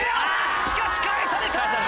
しかし返された！